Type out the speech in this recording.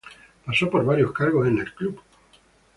Pasó por varios cargos en el club.